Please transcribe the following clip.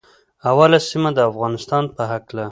اول سیمه د افغانستان په هکله